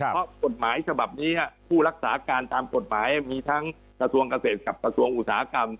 เพราะกฎหมายฉบับนี้ผู้รักษาการตามกฎหมายมีทั้งกระทรวงเกษตรกับกระทรวงอุตสาหกรรม